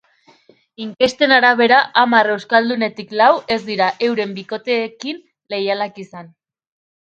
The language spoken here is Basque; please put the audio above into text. Inkesten arabera, hamar euskaldunetik lau ez dira euren bikoteekin leialak izan.